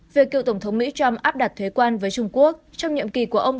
việc cựu tổng thống mỹ trump áp đặt thuế quan với trung quốc trong nhiệm kỳ của ông